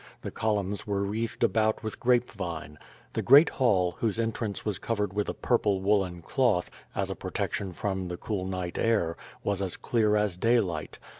The columns were wreathed about with grape vine. The great hall, whose entrance was covered with a purple woolen cloth, as a protection from the cool night air, was as clear as daylight.